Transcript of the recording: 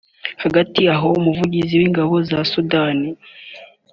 Hagati aho umuvugizi w’ingabo za Sudani